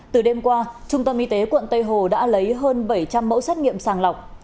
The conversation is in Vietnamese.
từ đêm qua trung tâm y tế quận tây hồ đã lấy hơn bảy trăm linh mẫu xét nghiệm sàng lọc